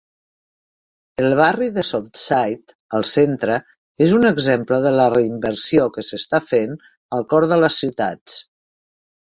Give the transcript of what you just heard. El barri de Southside, al centre, és un exemple de la reinversió que s'està fent al cor de les ciutats.